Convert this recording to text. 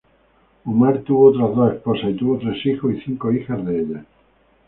Umar tuvo otras dos esposas y tuvo tres hijos y cinco hijas de ellas.